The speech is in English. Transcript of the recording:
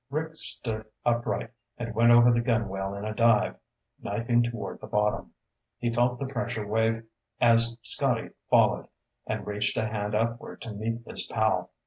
Rick stood upright and went over the gunwale in a dive, knifing toward the bottom. He felt the pressure wave as Scotty followed and reached a hand upward to meet his pal.